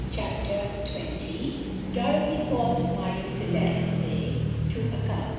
CHAPTER XX DOROTHY CALLS MARIE CELESTE TO ACCOUNT..